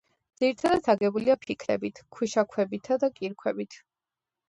ძირითადად აგებულია ფიქლებით, ქვიშაქვებითა და კირქვებით.